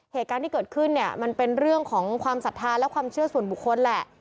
เหตุการณ์ที่เกิดขึ้นเนี่ยมันเป็นเรื่องของความศรัทธาและความเชื่อส่วนบุคคลแหละ